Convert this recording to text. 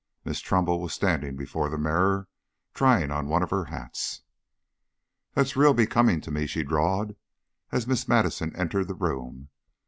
Miss Trumbull was standing before the mirror trying on one of her hats. "That's real becomin' to me," she drawled, as Miss Madison entered the room.